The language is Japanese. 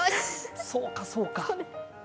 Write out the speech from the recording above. そうか、そうか。